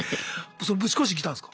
ぶち壊しに来たんすか？